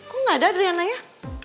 kok gak ada adriana nya